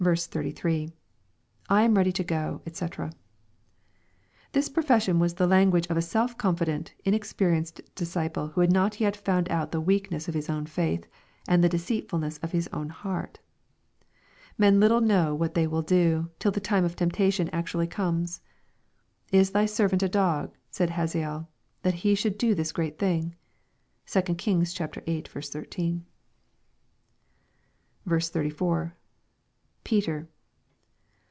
— [lam ready to go, doc] This profession was the language of a self confident, inexperienced disciple who had not yet found out the weakness of his own faith, and the deceitfulness of his own heart. Men Uttle know what they will do, till the time of temp tation actually comes. " Is thy servant a dog," said Hazael, " tliat he should do this great thing ?" (2 Kings viiL 13.) 34. — [Peter.